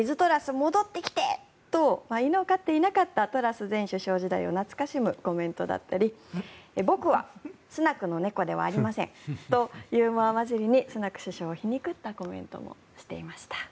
戻ってきてと犬を飼っていなかったトラス前首相時代を懐かしむコメントだったり僕はスナクの猫ではありませんとユーモア交じりにスナク首相を皮肉ったコメントもしていました。